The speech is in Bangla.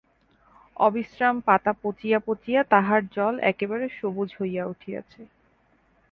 অবিশ্রাম পাতা পচিয়া পচিয়া তাহার জল একেবারে সবুজ হইয়া উঠিয়াছে।